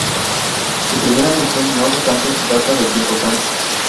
Su primera mención, no obstante, data de tiempo antes.